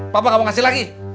papa nggak mau ngasih lagi